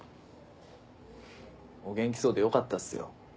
お元気そうでよかったっすよ。